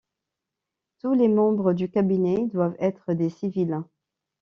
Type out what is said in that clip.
Tous les membres du Cabinet doivent être des civils.